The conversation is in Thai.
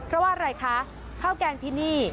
เพราะว่าอะไรคะข้าวแกงที่นี่